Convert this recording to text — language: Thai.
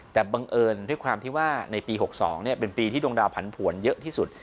แต่บังเอิญด้วยความที่ว่าในปี๖๒เป็นปีที่ดวงดาวผันผวนเยอะที่สุด